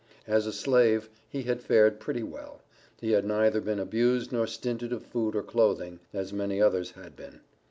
As a slave, he had fared pretty well he had neither been abused nor stinted of food or clothing, as many others had been.